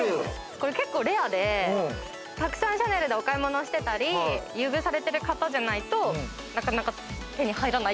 これ結構レアでたくさんシャネルでお買い物してたり優遇されてる方じゃないと。